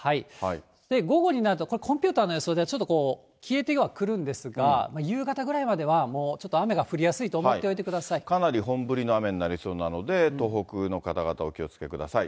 午後になると、コンピューターの予想では、ちょっと消えてはくるんですが、夕方ぐらいまではもうちょっと雨が降りやすいと思っておいてくだかなり本降りの雨になりそうなので、東北の方々、お気をつけください。